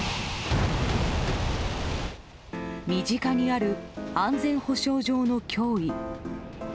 身近にある、安全保障上の脅威。